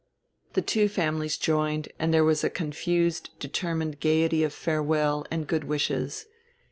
The two families joined, and there was a confused determined gayety of farewell and good wishes.